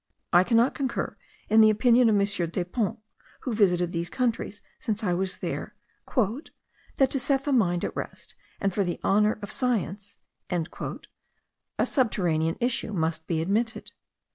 I cannot concur in the opinion of M. Depons* (who visited these countries since I was there) "that to set the mind at rest, and for the honour of science," a subterranean issue must be admitted.